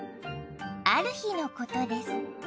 ある日のことです